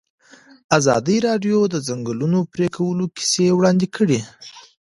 ازادي راډیو د د ځنګلونو پرېکول کیسې وړاندې کړي.